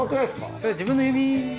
それ自分の指。